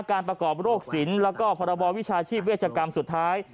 ประกอบโรคสินแล้วก็พรบวิชาชีพเวชกรรมสุดท้าย